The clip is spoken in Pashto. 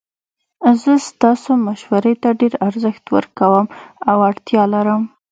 زه ستاسو مشورې ته ډیر ارزښت ورکوم او اړتیا لرم